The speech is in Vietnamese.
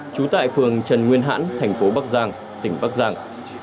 trú tại phường trần nguyên hãn thành phố bắc giang tỉnh bắc giang